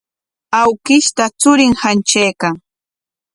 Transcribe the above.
Awkishta churin hantraykan.